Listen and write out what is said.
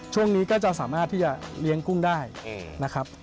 ช่วงนี้ก็จะสามารถที่จะเลี้ยงกุ้งได้นะครับ